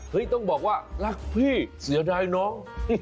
ต้องบอกว่ารักพี่เสียดายน้อง